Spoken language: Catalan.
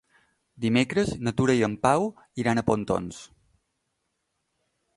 Dimecres na Tura i en Pau iran a Pontons.